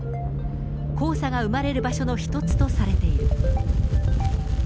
黄砂が生まれる場所の一つとされている。